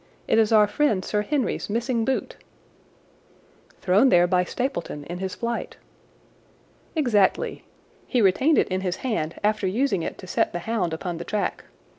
"It is our friend Sir Henry's missing boot." "Thrown there by Stapleton in his flight." "Exactly. He retained it in his hand after using it to set the hound upon the track.